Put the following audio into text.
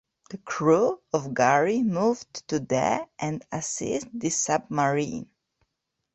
The crew of "Gari" moved to the and assist the submarine.